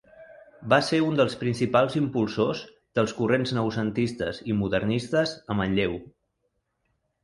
Va ser un dels principals impulsors dels corrents noucentistes i modernistes a Manlleu.